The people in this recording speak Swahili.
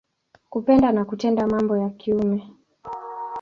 Kupenda na kutenda mambo ya kiume.